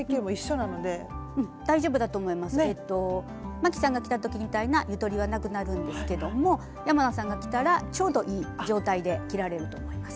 まきさんが着た時みたいなゆとりはなくなるんですけども山名さんが着たらちょうどいい状態で着られると思います。